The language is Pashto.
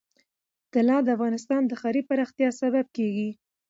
طلا د افغانستان د ښاري پراختیا سبب کېږي.